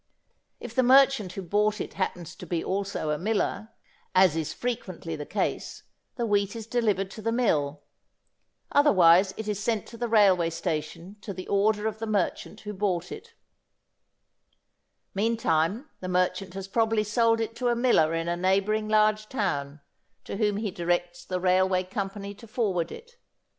If the merchant who bought it happens to be also a miller, as is frequently the case, the wheat is delivered to the mill. Otherwise it is sent to the railway station to the order of the merchant who bought it. Meantime the merchant has probably sold it to a miller in a neighbouring large town, to whom he directs the railway company to forward it.